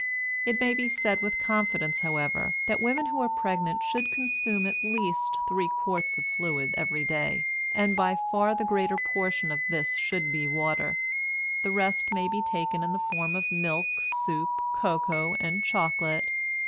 It may be said with confidence, however, that women who are pregnant should consume at least three quarts of fluid every day, and by far the greater portion of this should be water. The rest may be taken in the form of milk, soup, cocoa, and chocolate.